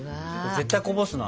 絶対こぼすな。